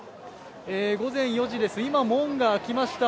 午前４時です、今、門が開きました。